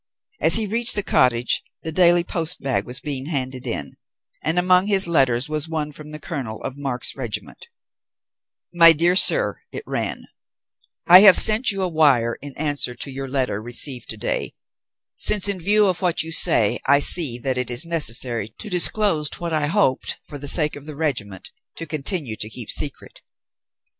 As he reached the cottage, the daily post bag was being handed in, and among his letters was one from the colonel of Mark's regiment: "MY DEAR SIR," it ran, "I have sent you a wire in answer to your letter received to day, since in view of what you say I see that it is necessary to disclose what I hoped, for the sake of the regiment, to continue to keep secret.